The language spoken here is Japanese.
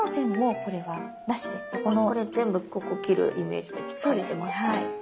これ全部ここ切るイメージで描いてました。